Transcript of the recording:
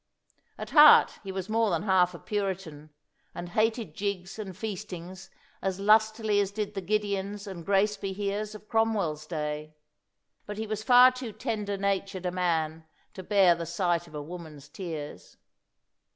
At heart he was more than half a Puritan, and hated jigs and feastings as lustily as did the Gideons and Grace be heres of Cromwell's day. But he was far too tender natured a man to bear the sight of a woman's tears.